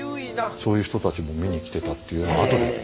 そういう人たちも見に来てたっていうのを後で。